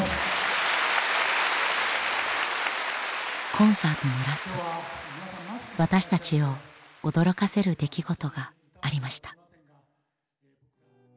コンサートのラスト私たちを驚かせる出来事がありました。